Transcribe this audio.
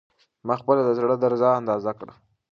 ما خپله د زړه درزا اندازه کړه.